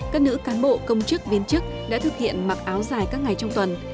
các nữ cán bộ công chức viên chức đã thực hiện mặc áo dài các ngày trong tuần